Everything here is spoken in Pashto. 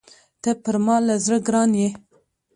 ته پر ما له زړه ګران يې!